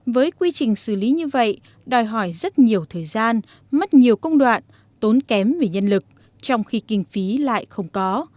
với quy trình xử lý như vậy đòi hỏi rất nhiều thời gian mất nhiều công đoạn tốn kém về nhân lực trong khi kinh phí lại không có